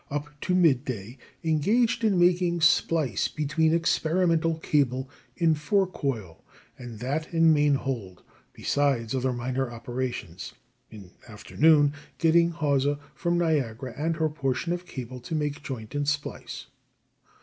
Up to midday engaged in making splice between experimental cable in fore coil and that in main hold, besides other minor operations. In afternoon getting hawser from Niagara and her portion of cable to make joint and splice.